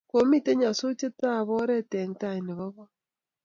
komito nyasutiet ab oret eng tai nebo kot